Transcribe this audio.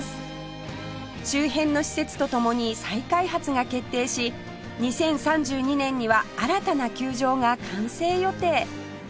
周辺の施設と共に再開発が決定し２０３２年には新たな球場が完成予定